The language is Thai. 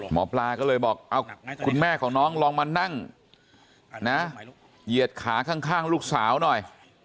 หมอปลาก็เลยบอกเอาคุณแม่ของน้องลองมานั่งนะเหยียดขาข้างลูกสาวหน่อย